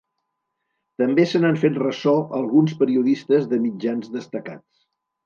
També se n’han fet ressò alguns periodistes de mitjans destacats.